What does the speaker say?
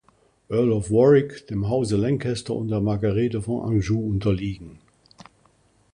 Earl of Warwick, dem Haus Lancaster unter Margarete von Anjou unterliegen.